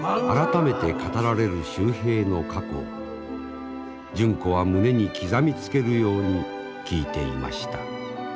改めて語られる秀平の過去を純子は胸に刻みつけるように聞いていました。